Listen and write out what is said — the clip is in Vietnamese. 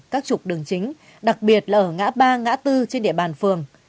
chính đặc biệt là ở ngã ba ngã tư trên địa bàn phường